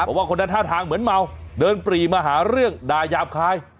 บอกว่าคนนั้นท่าทางเหมือนเมาเดินปรีมาหาเรื่องด่ายาบคาย